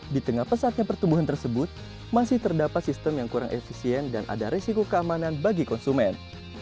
di tengah pesatnya pertumbuhan tersebut masih terdapat sistem yang kurang efisien dan ada resiko keamanan bagi konsumen